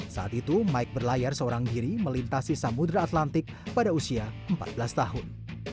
saat itu mike berlayar seorang diri melintasi samudera atlantik pada usia empat belas tahun